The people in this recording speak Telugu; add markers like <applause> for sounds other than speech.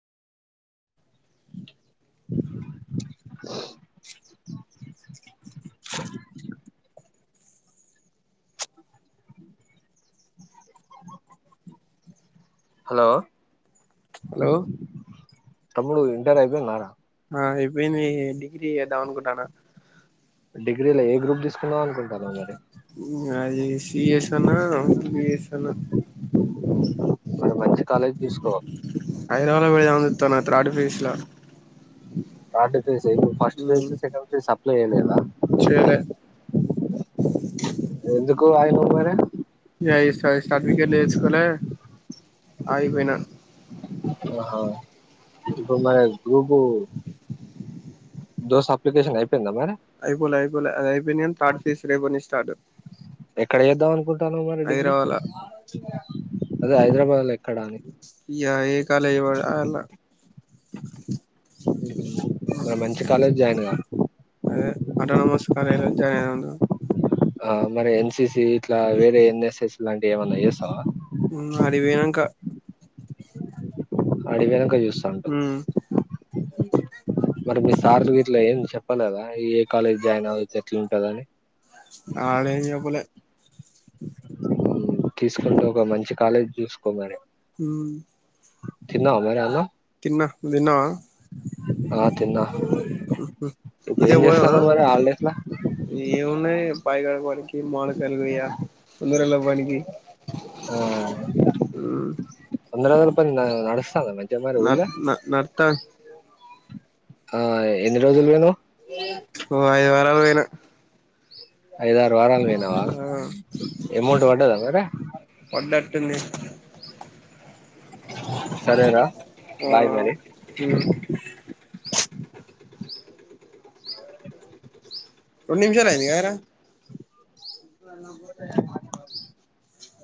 హలో హలో తమ్ముడు ఇంటర్ అయిపాయిందారా నేను డిగ్రీ చేద్దాం అనుకుంటాన డిగ్రీలో ఏ గ్రూప్ తీసుకుందాం అనుకుంటానవ్ మరి అ సిఎస్ అన్న బీఎస్సీ అన్న మంచి కాలేజీ తీసుకో హైదరాబా లో పెట్టుధామని చుస్తన త్రాడ్ ఫెస్ ల third phase first phase second phase చేయలేదా చేయలే ఎందుకు గోయి ఓ వారే ఎయి సయి హల్ టిక్కెట్లు తెచ్చుకొలే ఆగిపోయిన హా ఇప్పుడు మరి గ్రూపు దోస్త్ అప్లికేషన్ అయిపోయింద మరి అయిపోలే అపోలే అయిపో థర్డ్ ఫేస్ రేపట్నుండి స్టార్ట్ ఎక్కడ చేద్దాం అనుకుంటాన్నావ్ మరి డిగ్రీ హైదరాబాద్ లా అదే హైదరాబాద్ లో ఎక్కడ అని కాలేజీ వెళ్ళ మరి మంచి కాలేజ్ జాయిన్ గా అదే ఆటోనమస్ కాలేజీలో జాయిన్ అయి న్నా ఆ మరి ఎన్సి సి లా వే ఏన్ఎస్ఎస్ ఇలాంటివి ఏమన్నా చేస్తావ ఆడికి పోయినంక అడివేనంక ఏ హుమ్ మరి మీ సార్లు గిట్లా ఏం చెప్పలేదా ఏ కాలేజ్ జాయిన్ అవ్వతే ఎట్లుంటదని ఆడేం చెప్పలే తీసుకుంటే ఒక మంచి కాలేజీ చూసుకో మరి ఉహ్మ్ తిన్నావా మరి అన్నం తిన్న నువ్ తిన్నావా ఆ తిన్నా ఇప్పుడు ఏం ఈతకి పోదామా చేస్తాన్నావ్ మరి హాలిడేస్ లా ఏం ఉన్నాయి బాయికడపని ఈ మోడికాయలు కొయ్య, వంద రోజుల పనికి ఉహ్ వందరోజుల పని నాడ్ నడుస్తోందా మంచిగా మరి నర్ ఉల్లే నర్త ఆ అదే ఓ ఐదార్ రాల్ పోయిన ఐదార్ వారాలు పోయినవా ఎమౌంట్ పడ్డదా మరి డింది సరేరా బాయ్ మరి రెండు <inaudible> రెండు నిమిషాల అయింది గదరా ఇ పోతే <unintelligible>